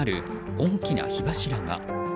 大きな火柱が。